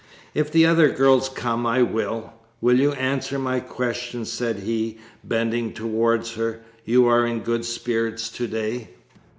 'If the other girls come, I will.' 'Will you answer my question?' said he, bending towards her. 'You are in good spirits to day.'